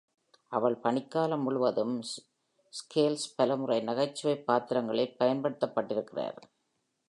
அவள் பணிக்காலம் முழுவதும, ஸ்கேல்ஸ பலமுறை நகைச்சுவைப் பாத்திரங்களில் பயன்படுத்தப்பட்டிருக்கிறார்.